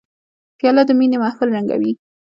پیاله د مینې محفل رنګینوي.